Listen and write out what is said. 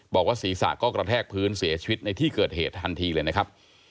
บอกว่าศีรษะก็กระแทกพื้นเสียชีวิตในที่เกิดเหตุทันทีเลยนะครับ